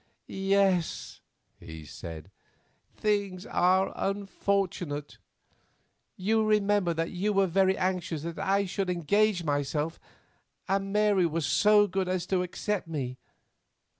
"Yes," he said, "things are unfortunate. You remember that you were very anxious that I should engage myself, and Mary was so good as to accept me.